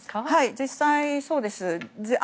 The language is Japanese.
実際そうです。